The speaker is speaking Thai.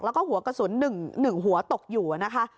แล้วก็หัวกระสุน๑หัวตกอยู่นะคะ